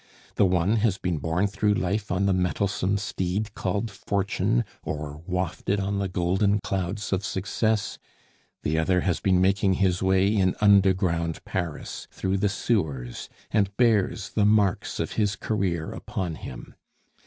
The one has been borne through life on the mettlesome steed called Fortune, or wafted on the golden clouds of success; the other has been making his way in underground Paris through the sewers, and bears the marks of his career upon him.